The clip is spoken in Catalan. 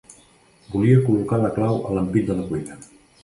Volia col·locar la clau a l'ampit de la cuina.